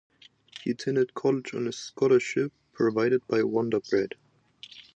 He attended college on a scholarship provided by Wonder Bread.